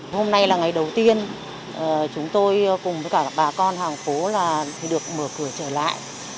hôm nay là ngày đầu tiên chúng tôi cùng với cả bà con hàng phố được mở cửa trở lại